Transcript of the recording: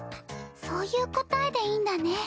そういう答えでいいんだね。